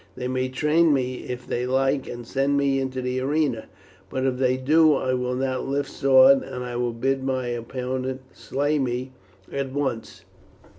They may train me if they like and send me into the arena, but if they do I will not lift sword, but will bid my opponent slay me at once."